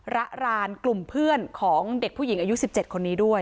ระรานกลุ่มเพื่อนของเด็กผู้หญิงอายุ๑๗คนนี้ด้วย